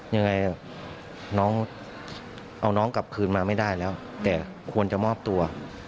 ยังไงน้องเอาน้องกลับคืนมาไม่ได้แล้วแต่ควรจะมอบตัว